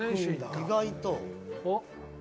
意外と。